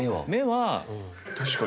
確かに。